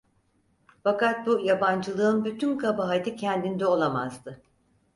Fakat bu yabancılığın bütün kabahati kendinde olamazdı.